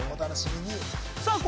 お楽しみに。